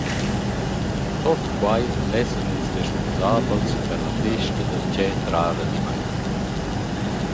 Tuot quai lessan ils respunsabels per la festa darcheu trar adimmaint.